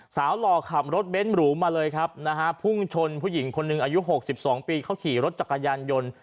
หล่อขับรถเบ้นหรูมาเลยครับนะฮะพุ่งชนผู้หญิงคนหนึ่งอายุ๖๒ปีเขาขี่รถจักรยานยนต์